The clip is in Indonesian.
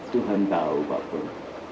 tuhan tahu pak pur